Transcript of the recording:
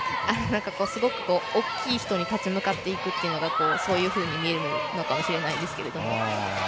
すごく大きい人に立ち向かっていくというのでそういうふうに見えるのかもしれないですけれども。